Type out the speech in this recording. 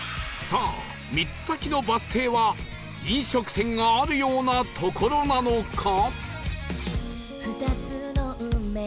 さあ３つ先のバス停は飲食店があるような所なのか？